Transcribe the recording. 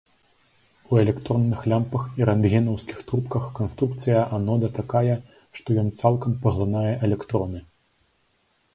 У электронных лямпах і рэнтгенаўскіх трубках канструкцыя анода такая, што ён цалкам паглынае электроны.